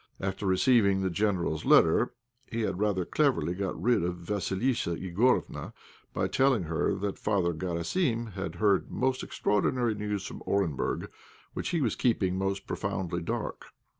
After receiving the General's letter he had rather cleverly got rid of Vassilissa Igorofna by telling her that Father Garasim had heard most extraordinary news from Orenburg, which he was keeping most profoundly dark.